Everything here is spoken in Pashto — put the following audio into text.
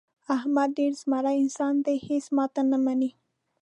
احمد ډېر زمری انسان دی. هېڅ ماتې نه مني.